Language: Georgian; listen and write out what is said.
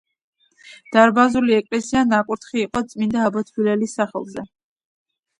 დარბაზული ეკლესია ნაკურთხი იყო წმინდა აბო თბილელის სახელზე.